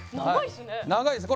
長いです。